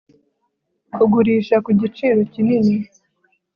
kugurisha ku giciro kinini